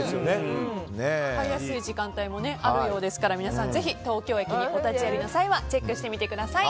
買いやすい時間帯もあるようですから皆さん、ぜひ東京駅にお立ち寄りの際はチェックしてみてください。